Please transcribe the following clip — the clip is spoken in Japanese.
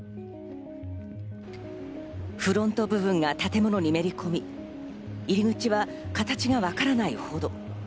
フロント部分が建物にめり込み、入り口は形がわからないほど。